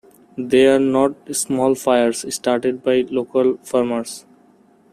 They are not small fires started by local farmers.